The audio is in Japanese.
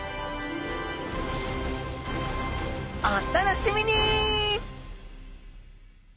お楽しみに！